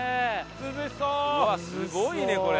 うわっすごいねこれ。